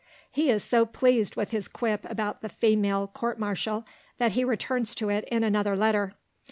He is so pleased with his quip about the female court martial that he returns to it in another letter.